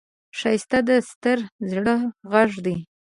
ښایست د ستر زړه غږ دی